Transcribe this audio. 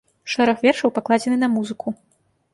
Шэраг вершаў пакладзены на музыку.